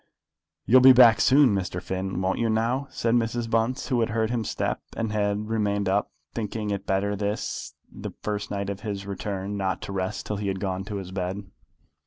"You'll be back soon, Mr. Finn, won't you now?" said Mrs. Bunce, who had heard his step, and had remained up, thinking it better this, the first night of his return, not to rest till he had gone to his bed.